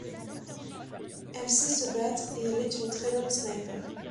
Elle sait se battre, et elle est une très bonne sniper.